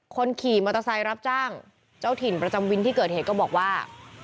คนขี่มอเตอร์ไซค์รับจ้างเจ้าถิ่นประจำวินที่เกิดเหตุก็บอกว่า